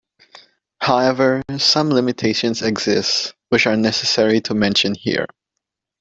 However, some limitations exist which are necessary to mention here.